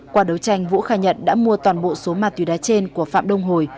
qua đấu tranh vũ khai nhận đã mua toàn bộ số ma túy đá trên của phạm đông hồi